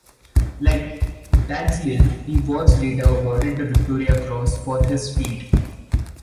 Like Dalziel, he was later awarded the Victoria Cross for his feat.